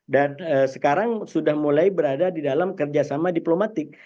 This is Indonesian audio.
dan sekarang sudah mulai berada di dalam kerjasama diplomatik